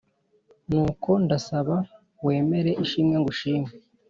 Nuko ndasaba wemere ishimwe ngushima